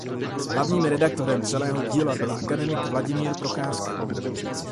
Hlavním redaktorem celého díla byl akademik Vladimír Procházka.